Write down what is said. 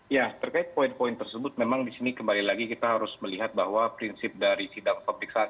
ya terkait poin poin tersebut memang di sini kembali lagi kita harus melihat bahwa prinsip dari sidang pemeriksaan